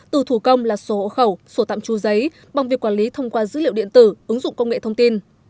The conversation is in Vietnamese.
từ thủ công là số hộ khẩu số tạm tru giấy bằng việc quản lý thông qua dữ liệu điện tử ứng dụng công nghệ thông tin